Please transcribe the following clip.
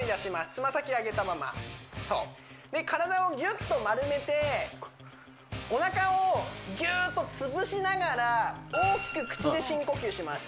爪先上げたままそう体をギュッと丸めておなかをギューッとつぶしながら大きく口で深呼吸します